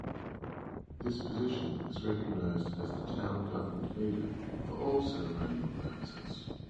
This position is recognized as the Town government leader for all ceremonial purposes.